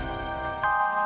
agakin bahwa allah